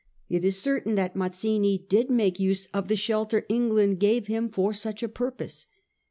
It is certain that Mazzini did make use of the shelter England gave him for such a purpose.